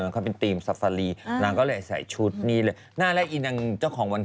เขาแต่งตัวเป็นนั่นไง